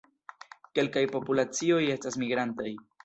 Kelkaj populacioj estas migrantaj.